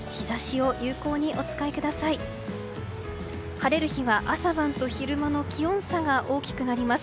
晴れる日は朝晩と昼間の気温差が大きくなります。